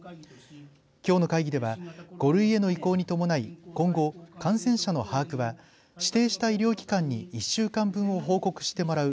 きょうの会議では５類への移行に伴い今後感染者の把握は指定した医療機関に１週間分を報告してもらう。